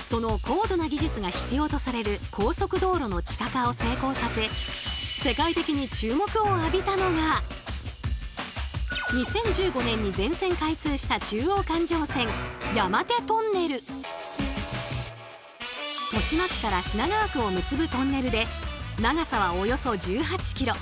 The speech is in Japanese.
その高度な技術が必要とされる高速道路の地下化を成功させ世界的に注目を浴びたのが豊島区から品川区を結ぶトンネルで長さはおよそ１８ｋｍ。